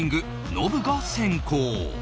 ノブが先攻